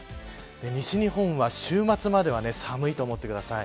西日本は週末までは寒いと思ってください。